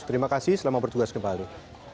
terima kasih selamat bertugas kembali